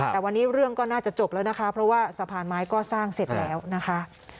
แต่วันนี้เรื่องก็น่าจะจบแล้วนะคะเพราะว่าสะพานไม้ก็สร้างเสร็จแล้วนะคะ